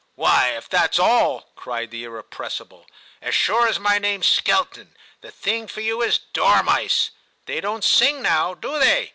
* Why, if that's all !' cried the irrepressible, • as sure as my name's Skelton, the thing for you is dormice : they don't sing now, do they?'